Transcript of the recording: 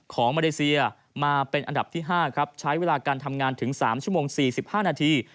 มาเลเซียมาเป็นอันดับที่๕ครับใช้เวลาการทำงานถึง๓ชั่วโมง๔๕นาที